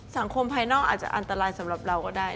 ภายนอกอาจจะอันตรายสำหรับเราก็ได้